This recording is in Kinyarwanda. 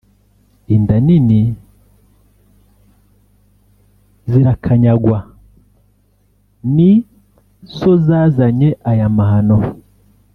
inda nini zirakanyagwa ni zo zazanye aya mahano